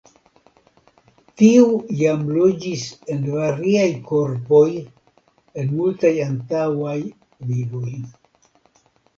Tiu jam loĝis en variaj korpoj en multaj antaŭaj vivoj.